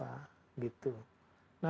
nah kemudian bintan juga buffernya batam